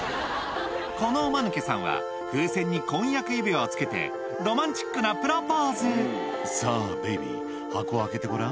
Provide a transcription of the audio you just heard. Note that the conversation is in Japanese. このおマヌケさんは風船に婚約指輪をつけてロマンチックなプロポーズ「さぁベビー箱を開けてごらん」